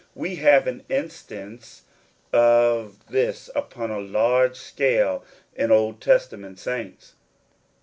We have an instance of this upon a large scale in Old Testament saints.